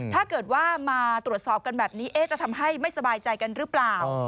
ถ้าเกิดว่ามาตรวจสอบกันแบบนี้จะทำให้ไม่สบายใจกันหรือเปล่า